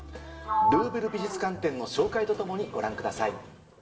ルーヴル美術館展の紹介とともにご覧ください。